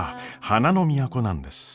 花の都なんです。